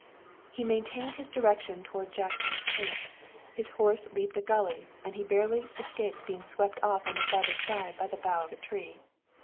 He maintained his direction toward Jackson's camp. His horse leaped a gully and he barely escaped being swept off on the farther side by the bough of a tree.